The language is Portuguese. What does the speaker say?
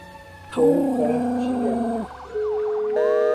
compartilhamento